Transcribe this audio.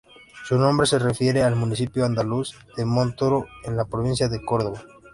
Su nombre se refiere al municipio andaluz de Montoro, en la provincia de Córdoba.